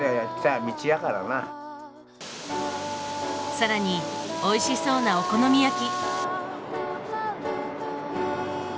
更においしそうなお好み焼き。